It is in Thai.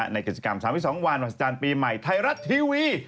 ในกิจกรรม๓๒วันท้ายรัฐทีวี